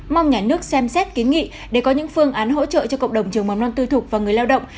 mong nhà nước xem xét kiến nghị để có những phương án hỗ trợ cho cộng đồng trường mầm non tư thục và người lao động